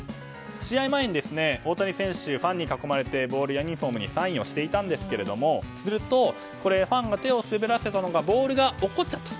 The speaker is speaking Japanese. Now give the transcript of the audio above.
試合前に大谷選手、ファンに囲まれてボールやユニホームにサインをしていたんですがファンが手を滑らせたのかボールが落っこちちゃった。